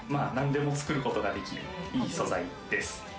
何でも作ることができるいい素材です。